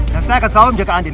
dan saya akan selalu menjaga andin